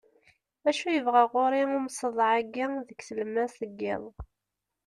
acu yebɣa ɣur-i umseḍḍeɛ-agi deg tlemmast n yiḍ